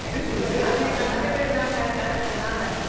初めから並べる段階からしてなんだかさ。